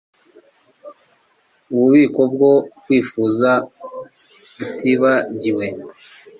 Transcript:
Ububiko bwo kwifuza butibagiwe